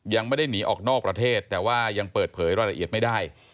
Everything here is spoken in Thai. ยังไม่ได้หนีออกนอกประเทศแต่ว่ายังเปิดเผยรายละเอียดไม่ได้